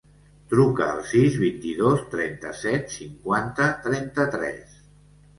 Truca al sis, vint-i-dos, trenta-set, cinquanta, trenta-tres.